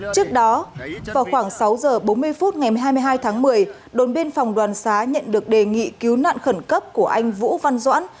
trước đó vào khoảng sáu giờ bốn mươi phút ngày hai mươi hai tháng một mươi đồn biên phòng đoàn xá nhận được đề nghị cứu nạn khẩn cấp của anh vũ văn doãn